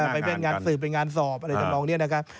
ไปแบ่งงานสืบไปแบ่งงานสอบอะไรทั้งลองเนี่ยนะครับ